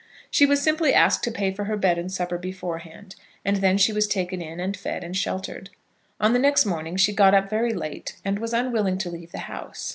She was simply asked to pay for her bed and supper beforehand, and then she was taken in and fed and sheltered. On the next morning she got up very late and was unwilling to leave the house.